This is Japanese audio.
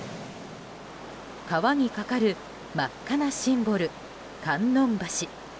川に架かる真っ赤なシンボル観音橋。